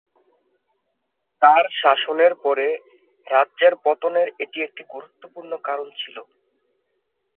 তাঁর শাসনের পরে রাজ্যের পতনের এটি একটি গুরুত্বপূর্ণ কারণ ছিল।